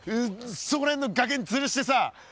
そこら辺の崖につるしてさ。